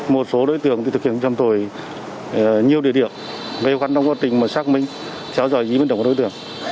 một số đối tượng thực hiện trầm tồi nhiều địa điểm gây khó khăn trong quá trình mà xác minh theo dõi ý minh đồng của đối tượng